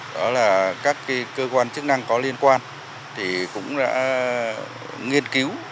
đó là các cơ quan chức năng có liên quan thì cũng đã nghiên cứu